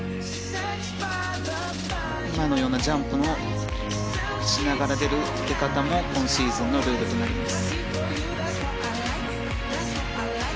今のようなジャンプをしながら出る出方も今シーズンのルールとなります。